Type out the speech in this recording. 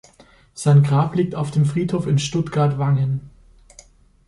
Sein Grab liegt auf dem Friedhof in Stuttgart-Wangen.